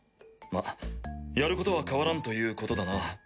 まあやることは変わらんということだな。